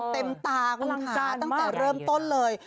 ตาคุณคะตั้งแต่เริ่มต้นเลย